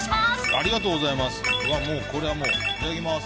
ありがとうございます。